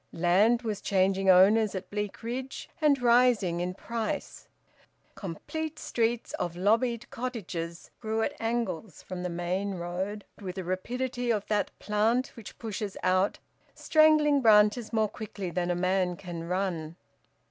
Land was changing owners at Bleakridge, and rising in price. Complete streets of lobbied cottages grew at angles from the main road with the rapidity of that plant which pushes out strangling branches more quickly than a man can run.